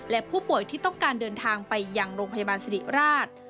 และผู้ป่วยที่ต้องการเดินทางไปยังโรงพยาบาลสิริราช